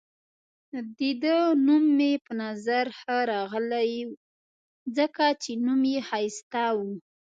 د ده نوم مې په نظر ښه راغلی، ځکه چې نوم يې ښایسته وو.